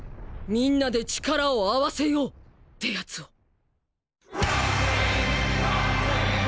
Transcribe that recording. みんなで力を合わせようってヤツを。